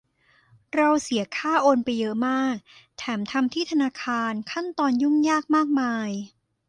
เราเสียค่าโอนไปเยอะมาก แถมทำที่ธนาคารขั้นตอนยุ่งยากมากมาย